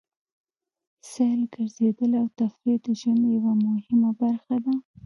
سیل، ګرځېدل او تفرېح د ژوند یوه مهمه برخه ده.